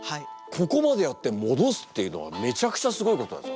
ここまでやって戻すっていうのはめちゃくちゃすごいことだぞ。